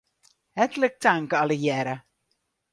Hertlik tank allegearre.